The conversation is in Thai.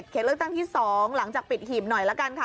เลือกตั้งที่๒หลังจากปิดหีบหน่อยละกันค่ะ